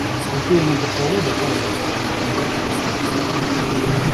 Скупые на похвалу доказывают, что они небогаты достоинствами.